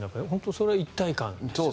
それは一体感ですよね。